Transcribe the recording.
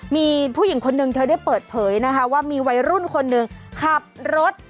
มีผู้หญิงคนนึงเธอได้เปิดเผยนะคะว่ามีวัยรุ่นคนหนึ่งขับรถ